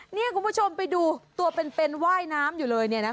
นี่คุณผู้ชมไปดูตัวเป็นว่ายน้ำอยู่เลย